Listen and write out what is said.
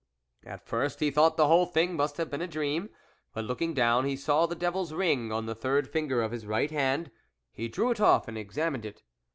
At first he thought the whola thing must have been a dream, but, looking down, he saw the devil's ring on the third finger of his right hand; he drew it off and examined it.